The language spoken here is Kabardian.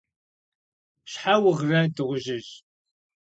- Щхьэ угърэ, дыгъужьыжь?